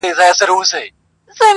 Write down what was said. له نیکونو په مېږیانو کي سلطان وو.!